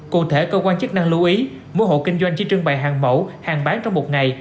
cụ thể cơ quan chức năng lưu ý mỗi hộ kinh doanh chỉ trưng bày hàng mẫu hàng bán trong một ngày